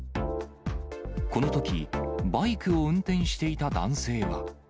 このとき、バイクを運転していた男性は。